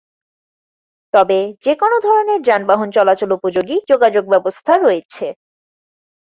তবে যেকোন ধরনের যানবাহন চলাচল উপযোগী যোগাযোগ ব্যবস্থা রয়েছে।